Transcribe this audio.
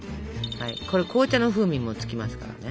これ紅茶の風味もつきますからね。